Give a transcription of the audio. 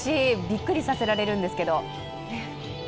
びっくりさせられるんですけど。